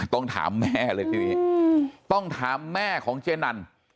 ต้องถามแม่เลยทีนี้ต้องถามแม่ของเจ๊นัน